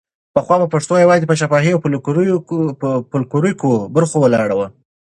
پخوا به پښتو یوازې په شفاهي او فولکلوریکو برخو ولاړه وه.